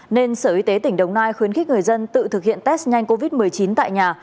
nên sở y tế tỉnh đồng nai khuyến khích người dân tự thực hiện test nhanh covid một mươi chín tại nhà